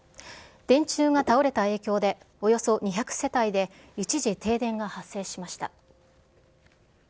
電柱が倒れた影響で、およそ２００世帯で一時停電が発生しました。